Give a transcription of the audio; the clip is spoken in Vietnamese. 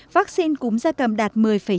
vaccine cúm gia cầm đạt một mươi chín